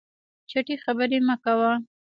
چټي خبري مه کوه !